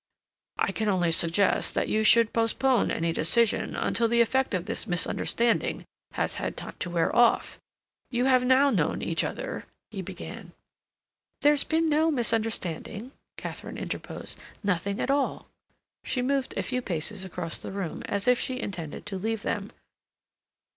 "I can only suggest that you should postpone any decision until the effect of this misunderstanding has had time to wear off. You have now known each other—" he began. "There's been no misunderstanding," Katharine interposed. "Nothing at all." She moved a few paces across the room, as if she intended to leave them.